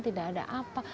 tidak ada apa